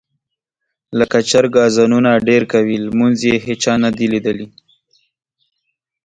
لکه چرګ اذانونه ډېر کوي لمونځ یې هېچا نه دي لیدلي.